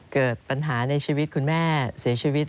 เกิดปัญหาในชีวิตคุณแม่เสียชีวิต